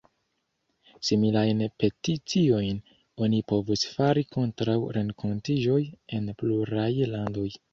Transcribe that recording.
Similajn peticiojn oni povus fari kontraŭ renkontiĝoj en pluraj landoj.